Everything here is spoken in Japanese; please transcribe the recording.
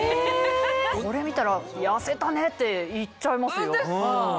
これ見たら痩せたね！って言っちゃいますよ。